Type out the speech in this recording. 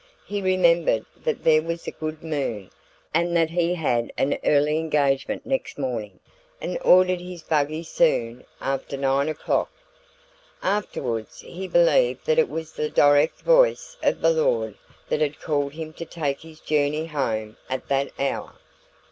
He remembered that there was a good moon, and that he had an early engagement next morning, and ordered his buggy soon after nine o'clock. Afterwards he believed that it was the direct voice of the Lord that had called him to take his journey home at that hour.